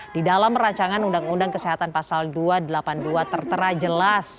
di dalam rancangan undang undang kesehatan pasal dua ratus delapan puluh dua tertera jelas